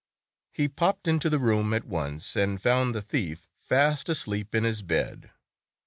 He popped into the room at once, and found the thief fast asleep in his bed.